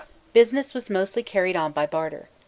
Business was mostly carried on by barter.